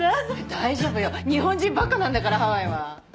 大丈夫よ日本人ばっかなんだからハワイは。